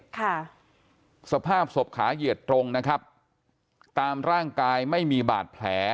ค่ะสภาพศพขาเหยียดตรงนะครับตามร่างกายไม่มีบาดแผล